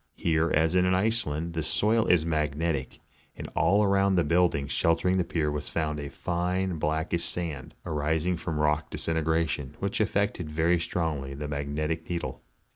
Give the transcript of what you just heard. Here, as in Iceland, the soil is magnetic, and around the build ing sheltering the pier was found a fine blackish sand, arising from rock disintegration, which affected very strongly the mag netic needle.